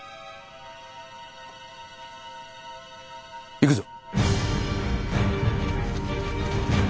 行くぞ。